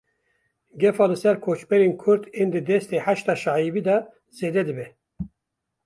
Gefa li ser koçberên Kurd ên di destê Heşda Şeibî de zêde dibe.